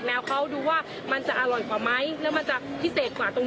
แล้วก็รสชาติของขนมปัง